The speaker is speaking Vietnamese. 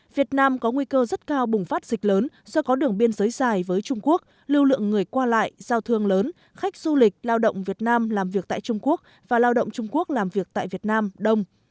việt nam có nguy cơ rất cao bùng phát dịch lớn do có đường biên giới dài với trung quốc lưu lượng người qua lại giao thương lớn khách du lịch lao động việt nam làm việc tại trung quốc và lao động trung quốc làm việc tại việt nam đông